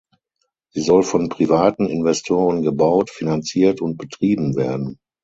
Sie soll von privaten Investoren gebaut, finanziert und betrieben werden.